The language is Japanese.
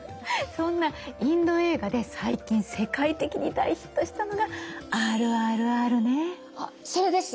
そんなインド映画で最近世界的に大ヒットしたのがそれです！